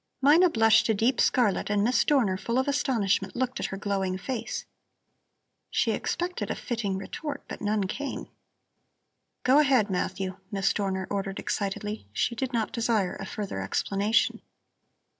Mina blushed a deep scarlet and Miss Dorner, full of astonishment, looked at her glowing face. She expected a fitting retort, but none came. "Go ahead, Matthew," Miss Dorner ordered excitedly. She did not desire a further explanation.